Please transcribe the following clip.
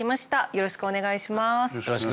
よろしくお願いします。